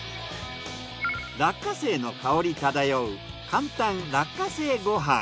落花生の香り漂う簡単落花生ご飯。